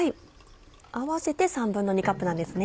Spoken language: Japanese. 合わせて２／３カップなんですね。